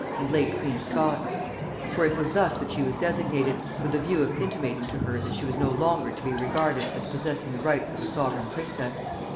and late queen of Scots; for it was thus that she was designated, with a view of intimating to her that she was no longer to be regarded as possessing the rights of a sovereign princess.